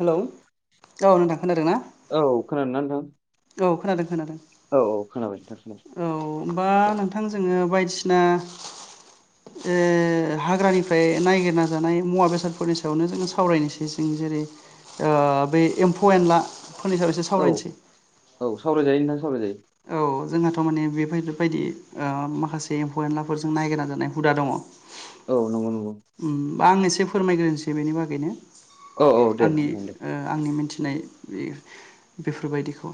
Hello औ नोंथां खोनादों ना औ खोनादोंना नोंथां? औ खोनादों खोनादों। औ औ खोनाबाय नोंथां खोनाबाय। औ होमबा नोंथां जोङो बायदिसिना जे हाग्रानिफ्राय नायगिरना जानाय मुवा बेसादफोरनि सायावनो जोङो सावरायनोसै जों जेरै ओ बे एम्फौ एनलाफोरनि सायाव एसे औ सावरायनोसै औ सावराय जायो नोंथां सावरायजायो। औ जोंहाथ' माने बेफोरबायदि औ माखासे एम्फौ एनलाफोरजों नायगिरना जानाय हुदा दङ। [inaudible] औ नंगौ नों उम आं एसे फोरमायग्रोनोसै बेनि बागैनो। औ औ दे आंनि नोंथां दे ओ आंनि मिथिनाय बेफोरबायदिखौ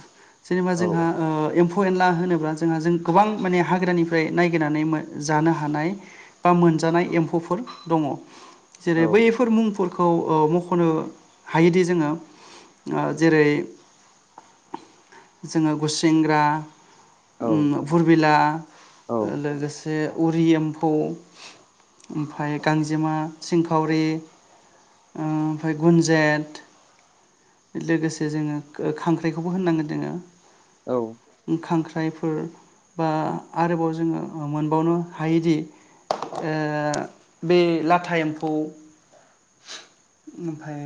जेनेबा औ औ जोंहा ओ एम्फौ एनला होनोब्ला जोंहा जों गोबां माने हाग्रानिफ्राय नायगिरनानै जानो हानाय बा मोनजानाय एम्फौफोर दङ जेरै औ बैफोर मुं फोर ओ मख'नो हायोदि जोङो जेरै जोङो गुसिं ग्रा औ फुरबिला औ लोगोसे जे उरि एम्फौ ओमफ्राय गांजेमा सिंखावरि ओ ओमफ्राय गुनजेत, लोगोसे जोङो खांख्राइखौबो होननांगोन जोङो। औ। खांख्राइफोर बा आरोबाव जोङो मोनबावनो हायोदि ओ बे लाथा एम्फौ ओमफाय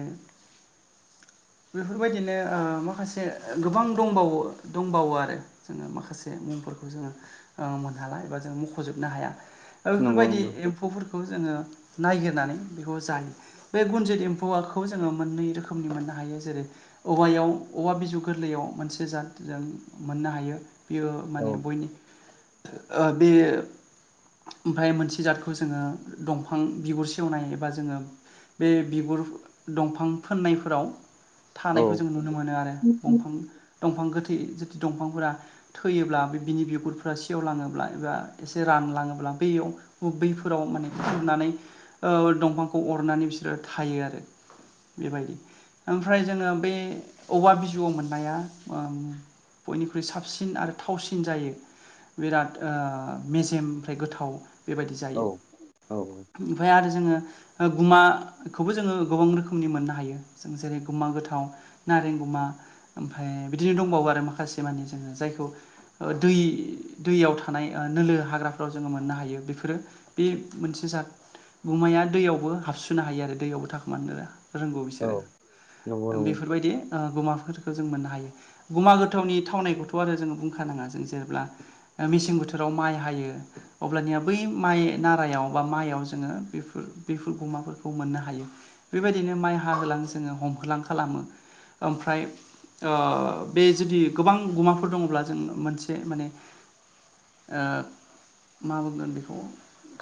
बेफोरबायदिनो ओ माखासे गोबां दंबावो दंबावो आरो। जोङो माखासे मुंफोरखौ जोङो ओ मोनहाला एबा जों मख'जोबनो हाया। नंगौ बेफोरबायदि नंगौ एम्फौफोरखौ जोङो नायगिरनानै बेखौ जायो। बे गुनजेत एम्फौआखौ जोङो मोननै रोखोमनि मोननो हायो। जेरै औवायाव औवा बिजौ गोरलैयाव मोनसे जात जों मोननो हायो। बियो औ माने बयनि ओ बे ओमफ्राय मोनसे जातखौ जोङो दंफां बिगुर सेवनाय एबा जोङो बे बिगुर दंफां फोननायफोराव औ थानायखौ जों नुनो मोनो आरो दंफां दंफां गोथै जथि दंफांफोरा थैयोब्ला बिबदिनि बिगुरफ्रा सेवलाङोब्ला एबा एसे रानलाङोब्ला बैयाव बैफोराव माने खुरनानै दंफांखौ अरनानै बिसोरो थायो आरो। बेबायदि ओमफ्राय जोङो बे औवा बिजौआव मोननाया ओम बयनिख्रुइ साबसिन आरो थावसिन जायो। बिराद ओ मेजेम ओमफ्राय गोथाव बेबायदि औ जायो। औ ओमफफ्राय आरो जोङो गुमाखौबो जोङो गोबां रोखोमनि मोननो हायो। जेरै गुमा गोथाव नारें गुमा ओमफ्राय बिदिनो दंबावो आरो माखासे मानि जोङो जायखौ दै दैयाव थानाय नोलो हाग्राफोराव जोङो मोननो हायो बेफोरो बे मोनसे जात गुमाया दैयावबो हाबसुनो हायो आरो दैयावबो थाखोमानो रोंगौ औ बिसोरो नंगौ नंगौ बेफोरबायदि गुमाफोरखौ जों मोननो हायो। गुमा गोथावनि थावनायखौथ' आरो जोङो बुंखाानाङा जों जेब्ला मेसें बोथोराव माइ हायो अब्लानिया बै माइ नारायाव बा माइयाव जोङो बेफोर बेफोर गुमाफोरखौ मोननो हायो। बेबायदिनो माइ हाहोलां जोङो हमहोलां खालामो ओमफ्राय ओ बे जुदि गोबां गुमाफोर दङब्ला जों मोनसे माने ओ मा बुंगोन बेखौ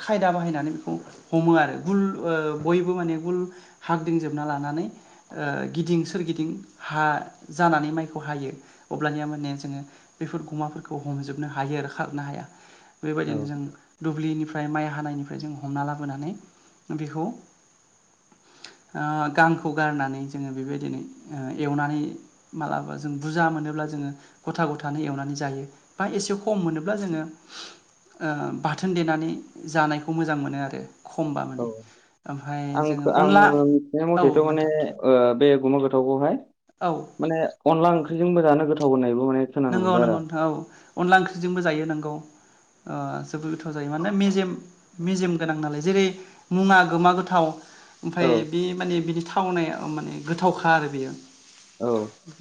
खायदा बाहायनानै बेखौ हमो आरो गुल बयबो माने गुल हागदिंजोबना लानानै ओ गिदिं सोरगिदिं हा जानानै माइखौ हायो अब्लानिया माने जोङो बेफोर गुमाफोरखौ हमजोबनो हायो आरो खारनो हाया औ बेबायदिनो जों दुब्लिनिफ्राय माइ हानायनिफ्राय जों हमना लाबोनानै बेखौ ओ गांखौ गारनानै जोङो बेबायदिनो एवनानै मालाबा जों बुरजा मोनोब्ला जोङो गथा गथानो एवनानै जायो बा एसे खम मोनोब्ला जोङो ओ बाथोन देनानै जानायखौ मोजां मोनो आरो। खमबा औ माने ओमफ्राय आं खो- जोङो आं अनला मिथिनाय औ मथेथ' नों माने बे ओ गुमा गोथावखौहाय औ माने अनला ओंख्रिजोंबो जानो गोथाव होननायबो माने खोनानो नोंगौ मोनदों आरो नोंगौ नोंथां औ अनला ओंख्रिजोंबो जायो नोंगौ। जोबोद गोथाव जायो माने मेजेम मेजेम गोनां नालाय जेरै मुङा गुमा गोथाव आं ओमफ्राय औ बे माने बिनि थावनाया माने गोथावखा आरो बियो। औ।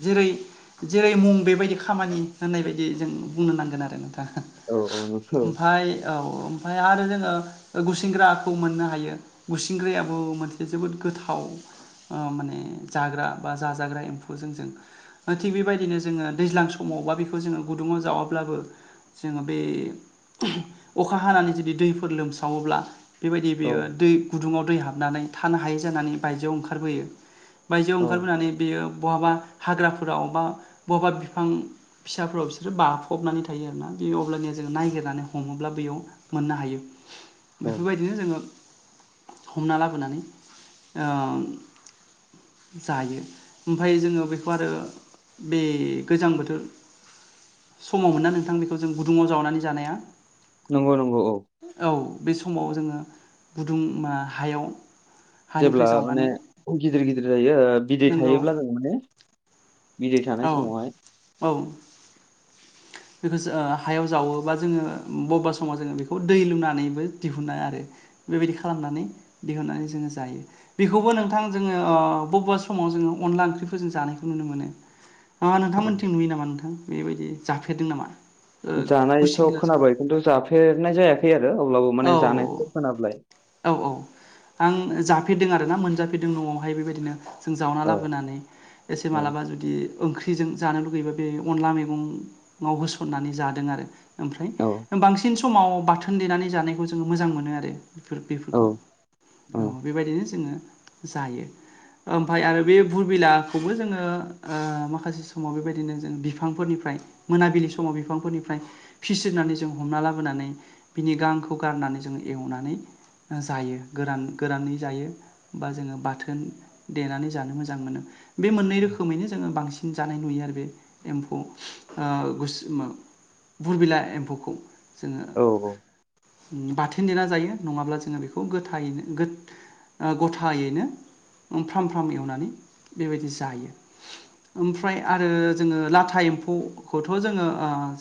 जेरै जेरै मुं बेबायदि खामानि होननाय बायदि जों बुंनो नांगोन आरो नोंथां। औ औ नोंसो- ओमफाय औ ओमफाय आरो जोङो गुसेंग्राखौ मोननो हायो। गुसिंग्रायाबो मोनसे जोबोद गोथाव ओ माने जाग्रा बा जाजाग्रा एम्फौ जों जों थिग बेबायदिनो जोङो दैज्लां सम समावबा बेखौ जोङो गुदुङाव जावाब्लाबो जोङो बे अखा हानानै जुदि दैफोर लोमसावोब्ला बेबायदि औ बेयो दै गुदुङाव दै हाबनानै थानो हायै जानानै बायजोआव ओंखारबोयो। बायजोआव औ ओंखारबोनानै बेयो बहाबा हाग्राफोराव बबा बहाबा बिफां। फिसाफोराव बिसोरो बाफबनानै थायो आरोना बि अब्लानिया जोङो ननायागिरनानै हमोब्ला बेयाव मोननो हायो औ बेफोरबायदि। बिनो जोङो हमना लाबोनानै ओ जायो ओमफ्राय जोङो बेखौ आरो बे गोजां बोथोर समाव मोन्ना नोंथां बेखौ जों गुदुङाव जावनानै जानाया? नंगौ नंगौ औ। औ बे समाव जोङो गुदुं ओ हायाव जेब्ला हानिफ्राय माने जावनानै गिदिर गिदिर जायो ओ बिदै नोंगौ थायोब्ला जों माने बिदै औ थानाय समावहाय औ बेखौ हायाव जावोबा जोङो बबेबा समाव जोङो बेखौ दै लुनानैबो दिहुनो आरो। बेबायदि खालामनानै दिहुननानै जोङो जायो। बेखौबो नोंथां जोङो ओ बबेबा समाव जोङो अनला ओंख्रिफोर जों जानायखौ नुनो मोनो। मा नोंथांमोनथिं नुयो नामा नोंथां बेबायदि जाफेरदों नामा? ओ जानायथ' गुसिंग्राजों खोनाबाय खिन्थु जाफेरनाय जायाखै आरो अब्लाबो औ माने औ जानायखौथ' खोनाबाय। औ औ आं जाफेरदों आर ना मोनजाफेरदों न'आवहाय बेबायदिनो जों जावना औ लाबोनानै एसे औ मालाबा जुदि ओंख्रिजों जानो लुगैबा बे अनला मैगं होसननानै जादों आरो ओमफ्राय औ बांसिन समाव बाथोन देनानै जानायखौ जों मोजां मोनो आरो बेफोरखौ औ औ। बेबायदिनो जोङो जायो। ओमाय आरो बे बुरबिलाखौबो जोङो माखासे समाव बेबायदिनो जों बिफांफोरनिफ्राय मोनाबिलि समाव बिफांफोरनिफ्राय फिसिनानै जों हमना लाबोनानै बिनि गांखौ खौ गारनानै जों एवनानै जायो गोरान गोरानै जायो। बा जोङो बाथोन देनानै जानो मोजां मोनो बे मोननै रोखोमैनो जोङो बांसिन जानाय नुयो आरो बे एम्फौ गस बुरबिला एम्फौखौ जोङो औ औ। बाथोन देना जायो नङाब्ला जोङो बेखौ गोथैनो गथायैनो फ्राम फ्राम एवनानै बेबायदि जायो। ओमफ्राय आरो जोङो लाथा एम्फौखौथ' जोङो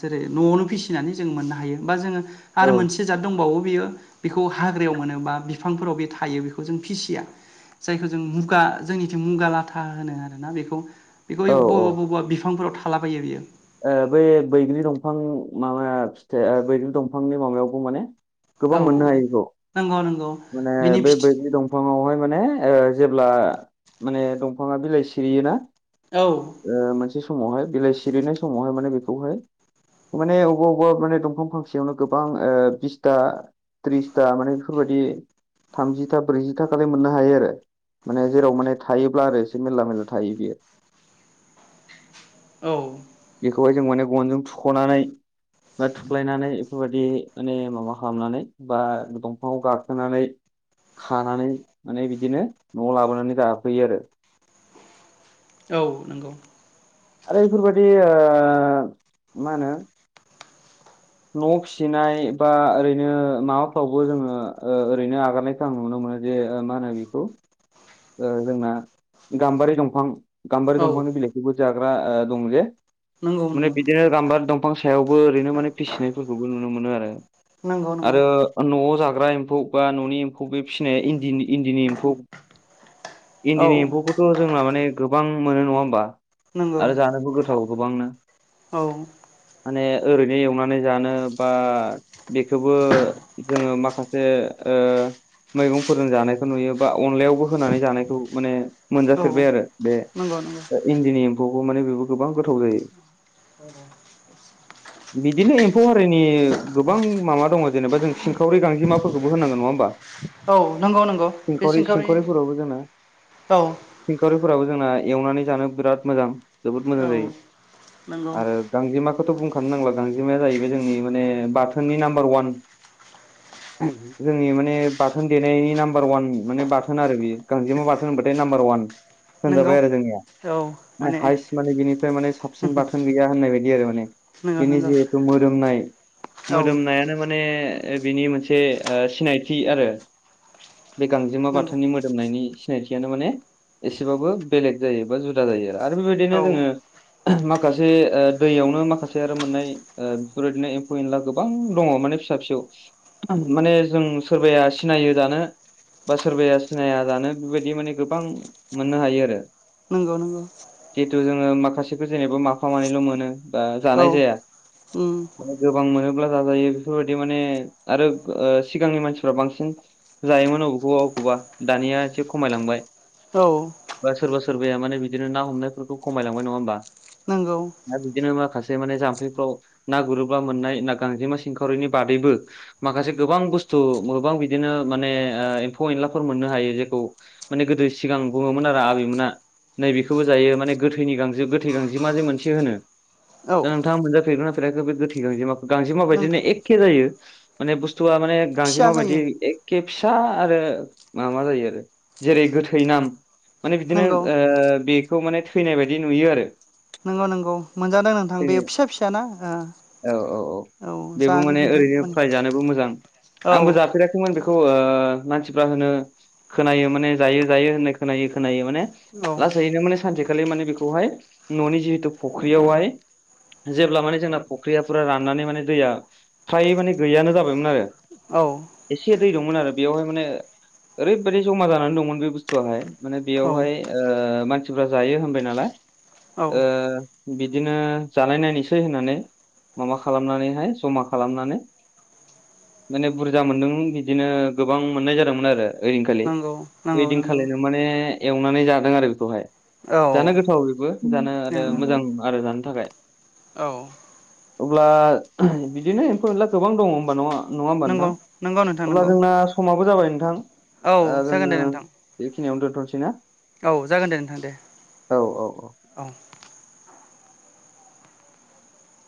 जेरै न'आवनो फिसि नानै मोननो हायो बा जोङो औ आरो मोनसे से जाद दंबावो बियो बेखौ हाग्रायाव मोनोबा बिफांफोराव बे थायो बेखौ जों फिसिया। जायखौ जों मुगा जोंनिथि मुगा लाथा होनो आरोना बेखौ। बेखौ औ बबेबा औ ओ बबा बिफांफोराव थालाबायो बियो बै बैग्रि दंफां माबा फिथाइ बैग्रि दंफांनि माबायावबो माने औ गोबां मोननो हायो बिखौ नंगौ नंगौ माने बिनि बे फिथि बैग्रि दं फाङावहाय माने जेब्ला माने दंफाङा बिलाइ सिरियोना औ मोनसे समावहाय बिलाइ सिरिनाय समावहाय माने बेखौहाय माने अबा अबेबा मे दंफां फांसेयावनो गोबां बिसथा थ्रिसथा माने बेफोरबायदि थामजिथा ब्रैजिथालाय मोननो हायो आरो। माने जेराव माने थायोब्ला आरो एसे मेरला मेरला थायो बियो। औ बेखौहाय जों माने गनजों थुख'नानै बा थुख्लायनानै बेफोरबायदि माने माबा खालामनानै बा दंफाङाव गाखोनानै खानानै माने बिदिनो न'आव लाबोनानै जाफैयो आरो। औ नंगौ। आरो बेफोरबादि मा होनो न' फिसिनाय बा ओरैनो माबाफ्रावबो जोङो ओरैनो आगारनाय मोजां नुनो मोनो जे मा होनो बि बेखौ जोंना गाम्बारि दंफां गाम्बारि औ दंफांनि बिलाइखौबो जाग्रा दं जे नंगौ माने नंगौ बिदिनो गाम्बार दंफां सायावबो ओरैनो माने फिसिनायफोरखौबो नुनो मोनो आरो। नंगौ नंगौ आरो न'आव जाग्रा एम्फौ बा न'नि एम्फौ बे फिसिनाया इन्दिनि इन्दिनि एम्फौ औ इन्दिनि एम्फौखौथ' जोंना माने गोबां मोनो नङा होमबा नंगौ आरो जानोबो गोथाव गोबांनो। औ माने ओरैनो एवनानै जानो बा बेखौबो जोङो माखासे मैगंफोरजों जानायखौ नुयो बा अनलायावबो होनानै जानायखौ माने औ मोनजाफेरबाय आरो बे नंगौ नंगौ इन्दिनि एम्फौखौ माने बेबो गोबां गोथाव जायो। औ बिदिनो एम्फौ हारिनि गोबां माबा दङ जेनेबा जों सिंखावरि गांजिमाफोरखौबो होनांगोन नङा होमबा? औ नंगौ नंगौ बे सिंखावरि औ सिंखारिफोराबो जोंना एवनानै जानो बिराद मोजां जोबोद मोजां औ जायो नंगौ आरो गांजेमाखौथ' बुंखानो नांला गांजेमाया जाहैबाय जोंनि माने बाथोननि नाम्बार वान जोंनि माने बाथोन देनायनि नाम्बार वान माने बाथोन आरो बे गांजेमा बाथोन होनबाथाय नाम्बार वान नंगौ होनजाबाय आरो जोंनिया। माने हाइस माने बिनिफ्राय माने साबसिन बाथोन गैया होननाय बायदि आरो माने नंगौ बेनि नंगौ जिहेथु मोदोमनाय औ मोदोमनायानो माने बिनि मोनसे ओ सिनायथि आरो बे गांजेमा नंगौ बाथोननि मोदोमनायनि। सिनायथियानो माने एसेबाबो बेलेग जायो बा जुदा जायो आरो बेबायदिनो औ जोङो माखासे दैयावनो माखासे आरो मोननाय। ओ बेफोरबायदिनो एम्फौ एनला गोबां दङ माने फिसा फिसौ। माने जों सोरबाया सिनायो जानो बा सोरबाया सिनाया जानो बेबायदि माने गोबां मोननो हायो आरो। नंगौ नंगौ। खिनथु जोङो माखासेफोर जेनेबा माफा मानैल' मोनो बा औ जानाय जाया। उम गोबां मोनोब्ला जाजायो बेफोरबायदि माने आरो सिगांनि मानसिफ्रा बांसिन जायोमोन अबेखौबा अबखौबा दानिया एसे खमायलांबाय। औ बा सोरबा सोरबाया माने बिदिनो ना हमनायफोरखौ खमायलांबाय नङा होनोमबा। नोंगौ। दा बिदिनो माखासे माने जाम्फैफ्राव ना गुरोब्ला मोननाय ना गांजेमा सिंखावरिनि बादैबो माखासे गोबां बुस्थु गोबां बिदिनो माने एम्फौ एनलाफोर मोननो हायो जेखौ माने गोदो सिगां बुङोमोन आरो आबैमोना। नैबेखौबो जायो माने गोथैनि गांजि गोथै गांजे मा जे मोनसे होनो। औ दा नोंथाङा मोनजाफेरगोननाफेराखै बे गोथै गां गांजे माबायदिनो नोंथां एखे जायो माने बुस्थुवआ माने गांसेे फिसा माबायदि। जायो एखेबसा आरो माबा जायो आरो जेरै गोथै नाम। माने बिदिनो नंगौ ओ बेखौ माने थैनाय बायदि नुयो आरो नंगौ नंगौ मोनजादों नोंथां बे थैनाय फिसा फिसाना ओ। औ औ औ बेबो जादो माने नोंथां ओरैनो माने प्राइजानोबो मोजां औ आंबो जाफेराख खौमोन मानसिफ्रा होनो खोनायो माने जायो जायो होननो खोनायो खोनायो माने लासैनो माने सानसेखालि माने बेखौहाय न'नि जिहेतु फुख्रियावहाय जेब्ला माने जोंना फख्रियाफोरा राननानै माने दैया फ्राय माने गैयानो जाबायमोन आरो औ एसे दै दंमोन आरो बेयावहाय माने ओरैबायदि जमा जानाय नानै दंमोन बे बुस्थुआहाय माने बेयावहाय ओ मानसिफ जायो होनबाय नालाय औ औ ओ बिदिनो जानाय नायनोसै होननानै माबा खालामनानैहाय जमा खालामनानै माने बुरजा मोन्दों बिदिनो गोबां मोननाय जादोंमोन आरो ओरैनोखालि नंगौ नंगौ वेदिं नंगौ खालामलायनो माने एवनानै जादों आरो बेखौहाय। औ जानो गोथाव बेबो जानो आरो नंगौ मोजां आरो जानो थाखाय। औ अब्ला बिदिनो एम्फौ एनला गोबां दङ होनोमबा नङा नङा होमबा नंगौ नोंथां नंगौ नोंथां अब्ला नंगौ जोंना समाबो जाबाय नोंथां। औ दा जागोन जोङो दे नोंथां बेखिनियावनो दोनथ'सै ना? औ जागोन दे नोंथां दे औ औ औ औ